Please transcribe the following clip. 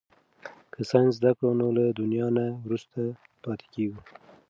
که ساینس زده کړو نو له دنیا نه وروسته پاتې کیږو.